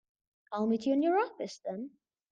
I'll meet you in your office then.